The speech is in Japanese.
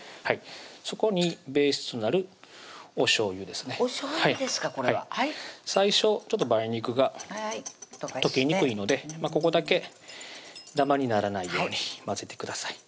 そこにベースとなるおしょうゆですねおしょうゆですかこれは最初梅肉が溶けにくいのでここだけダマにならないように混ぜてください